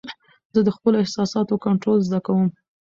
زه د خپلو احساساتو کنټرول زده کوم.